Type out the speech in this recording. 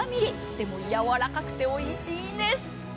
でもやわらかくておいしいんです。